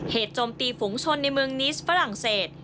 โจมตีฝุงชนในเมืองนิสฝรั่งเศส